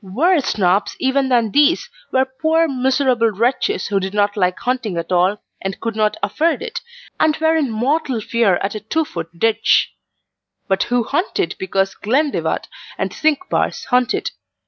Worse Snobs even than these were poor miserable wretches who did not like hunting at all, and could not afford it, and were in mortal fear at a two foot ditch; but who hunted because Glenlivat and Cinqbars hunted.